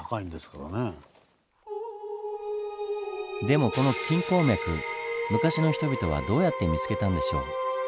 でもこの金鉱脈昔の人々はどうやって見つけたんでしょう？